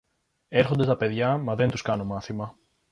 Έρχονται τα παιδιά, μα δεν τους κάνω μάθημα.